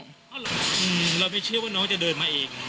เรื่องนี้เราไม่เชื่อว่าน้องจะเดินมาอีก